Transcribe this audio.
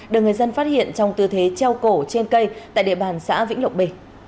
được người dân phát hiện trong tư thế treo cổ trên cây tại địa bàn xã vĩnh lộc b